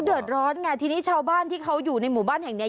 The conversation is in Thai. เดือดร้อนไงทีนี้ชาวบ้านที่เขาอยู่ในหมู่บ้านแห่งเนี้ย